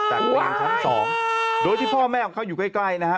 จากเตียงชั้น๒โดยที่พ่อแม่ของเขาอยู่ใกล้นะฮะ